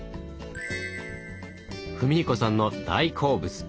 史彦さんの大好物！